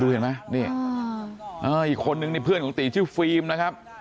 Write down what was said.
เห็นไหมนี่อีกคนนึงนี่เพื่อนของตีชื่อฟิล์มนะครับ